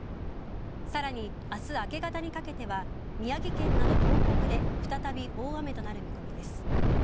さらに明日明け方にかけては宮城県など東北で再び大雨となる見込みです。